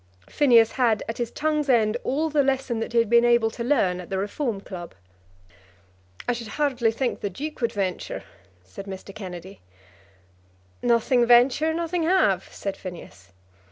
Phineas had at his tongue's end all the lesson that he had been able to learn at the Reform Club. "I should hardly think the Duke would venture," said Mr. Kennedy. "Nothing venture, nothing have," said Phineas.